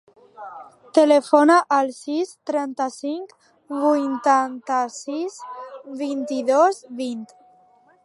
Telefona al sis, trenta-cinc, vuitanta-sis, vint-i-dos, vint.